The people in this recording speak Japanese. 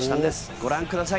ご覧ください。